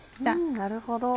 なるほど。